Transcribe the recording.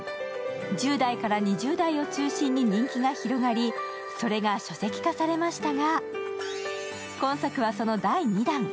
１０代から２０代を中心に人気が広がり、それが書籍化されましたが、今作はその第２弾。